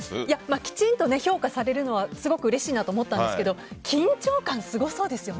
きちんと評価されるのはすごくうれしいなと思ったんですが緊張感すごそうですよね。